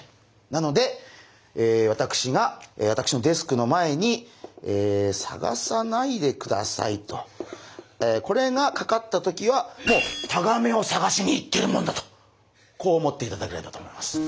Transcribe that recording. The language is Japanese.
なので私のデスクの前に「探さないでください」とこれがかかったときはタガメを探しに行ってるもんだとこう思っていただければと思います。